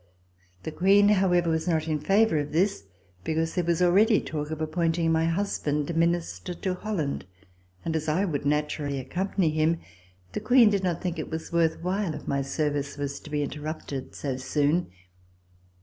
The Queen, however, was not in favor of this, because there was already talk of appointing my husband Minister to Holland, and as I would naturally accompany him, the Queen did not think it was worth while, if my service was to be interrupted so soon.